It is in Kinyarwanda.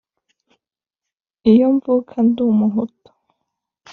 Iyo mvuka ndi umuhutu